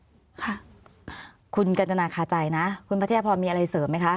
ค่ะคุณกัญจนาคาใจนะคุณพัทยาพรมีอะไรเสริมไหมคะ